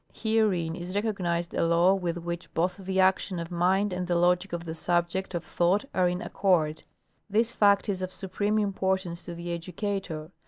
Herein is recognized a law with which both the action of mind and the logic of the subject of thought are in accord. This fact is of supreme importance to the educator.